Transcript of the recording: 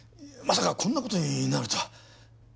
まさかこんな事になるとは。